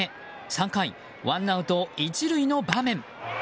３回、ワンアウト１塁の場面。